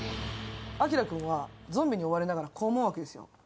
輝君はゾンビに追われながら、こう思うわけですよ。